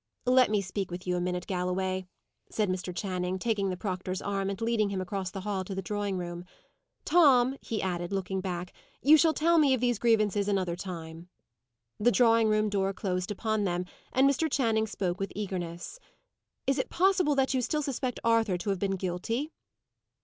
"Let me speak with you a minute, Galloway," said Mr. Channing, taking the proctor's arm and leading him across the hall to the drawing room. "Tom," he added, looking back, "you shall tell me of these grievances another time." The drawing room door closed upon them, and Mr. Channing spoke with eagerness. "Is it possible that you still suspect Arthur to have been guilty?"